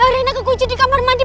akhirnya kekunci di kamar mandi